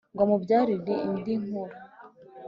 Ngo amubyarire indi Nkura,